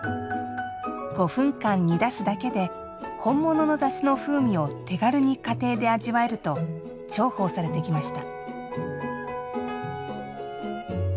５分間煮出すだけで本物のだしの風味を手軽に家庭で味わえると重宝されてきました。